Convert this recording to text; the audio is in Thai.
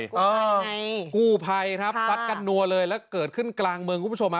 เออไงกู้ภัยครับซัดกันนัวเลยแล้วเกิดขึ้นกลางเมืองคุณผู้ชมฮะ